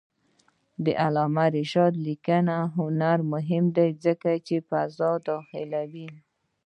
د علامه رشاد لیکنی هنر مهم دی ځکه چې فضا داخلوي.